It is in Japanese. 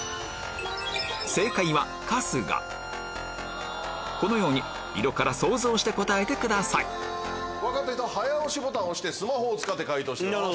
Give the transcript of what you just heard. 正解はこのように色から想像して答えてください分かった人は早押しボタン押してスマホを使って解答してください。